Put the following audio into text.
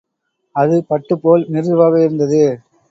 அது பட்டுப் போல் மிருதுவாக இருந்தது.